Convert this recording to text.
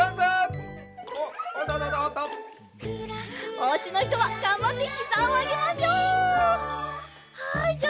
おうちのひとはがんばってひざをあげましょう！